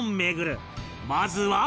まずは